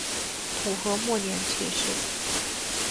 统和末年去世。